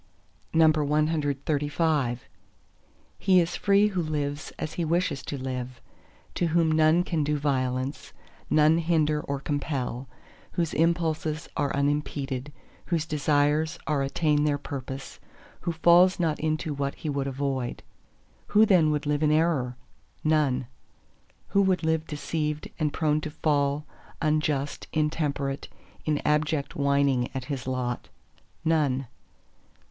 CXXXVI He is free who lives as he wishes to live; to whom none can do violence, none hinder or compel; whose impulses are unimpeded, whose desires are attain their purpose, who falls not into what he would avoid. Who then would live in error?—None. Who would live deceived and prone to fall, unjust, intemperate, in abject whining at his lot?—None.